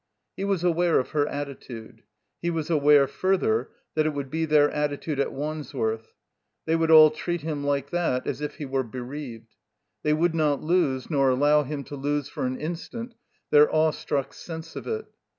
He was aware of her attitude; he was aware, further, that it would be their attitude at Wands worth. They would all treat him like that, as if he were bereaved. They would not lose, nor allow him to lose for an instant, their awestruck sense of it.